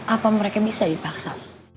apa mereka bisa dipaksa